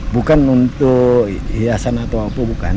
bukan untuk hiasan atau apa bukan